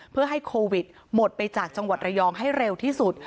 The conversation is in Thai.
เพื่อให้โควิดหมดไปจากจังหวัดระยองให้เร็วที่สุด